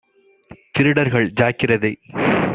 திருடர்கள் ஜாக்கிரதை